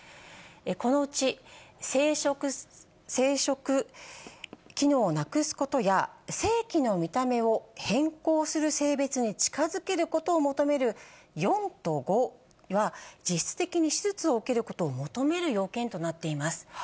このうち生殖機能をなくすことや、性器の見た目を変更する性別に近づけることを求める４と５は、実質的に手術を受けることを求める要件となっています。